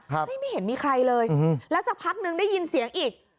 ไม่ไม่เห็นมีใครเลยอืมแล้วสักพักนึงได้ยินเสียงอีก